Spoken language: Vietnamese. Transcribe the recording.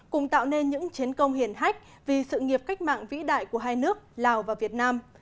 cùng tạo nên những chiến công hiển hách vì sự nghiệp cách mạng vĩ đại của hai nước lào và việt nam